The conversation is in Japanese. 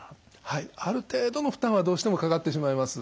はいある程度の負担はどうしてもかかってしまいます。